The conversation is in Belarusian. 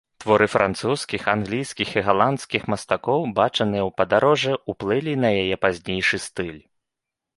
Творы французскіх, англійскіх і галандскіх мастакоў, бачаныя ў падарожжы, уплылі на яе пазнейшы стыль.